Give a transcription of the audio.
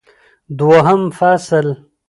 دوهم فصل